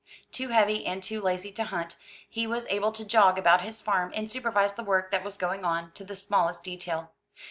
Too heavy and too lazy to hunt, he was able to jog about his farm, and supervise the work that was going on, to the smallest detail.